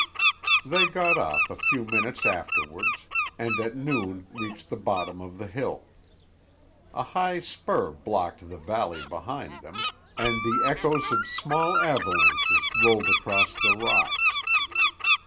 They got off a few minutes afterwards, and at noon reached the bottom of the hill. A high spur blocked the valley behind them, and the echoes of small avalanches rolled across the rocks.